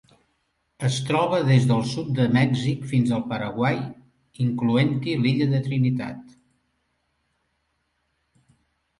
Es troba des del sud de Mèxic fins al Paraguai, incloent-hi l'illa de Trinitat.